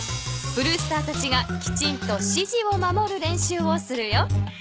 ブルースターたちがきちんとしじを守る練習をするよ。